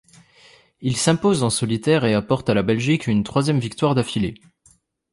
Il s'impose en solitaire et apporte à la Belgique une troisième victoire d'affilée.